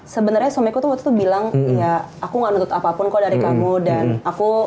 sebenarnya suamiku tuh waktu itu bilang ya aku gak nuntut apapun kok dari kamu dan aku